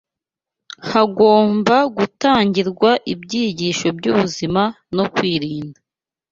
hagomba gutangirwa ibyigisho by’ubuzima no kwirinda.